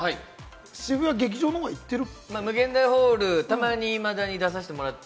渋谷、劇場のほう行ってる？